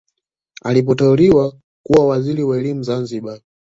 Alipoteuliwa kuwa waziri wa elimu Zanzibari